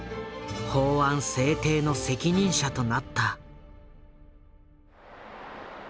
法案制定の責任者となった。